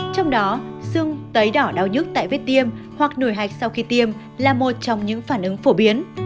trong đó xương tấy đỏ đau nhức tại vết tiêm hoặc nổi hạch sau khi tiêm là một trong những phản ứng phổ biến